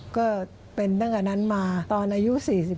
ก็เป็นตั้งแต่นั้นมาตอนอายุ๔๒